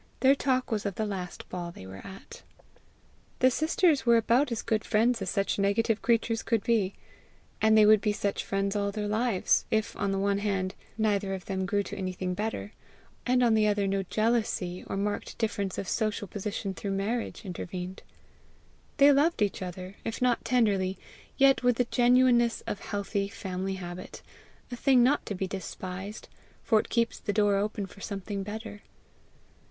Their talk was of the last ball they were at. The sisters were about as good friends as such negative creatures could be; and they would be such friends all their lives, if on the one hand neither of them grew to anything better, and on the other no jealousy, or marked difference of social position through marriage, intervened. They loved each other, if not tenderly, yet with the genuineness of healthy family habit a thing not to be despised, for it keeps the door open for something better.